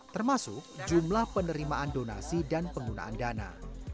termasuk jumlah penerimaan donasi dan penggunaan dana